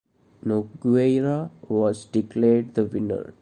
Nogueira was declared the winner.